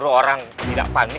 nur orang tidak panik